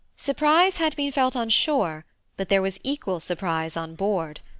Surprise had been felt on shore, but there was equal surprise on board.